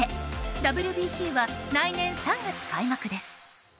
ＷＢＣは来年３月開幕です。